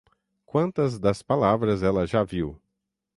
Quantas das palavras ela já viu?